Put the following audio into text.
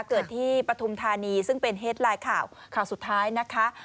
เกิดที่ปฐุมธานีซึ่งเป็นเฮดไลน์ข่าวข่าวสุดท้ายนะคะ